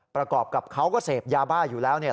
ประกอบกับเขาก็เสพยาบ้าอยู่แล้วเนี่ย